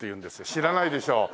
知らないでしょ？